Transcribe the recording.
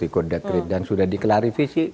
ikut dekret dan sudah diklarifikasi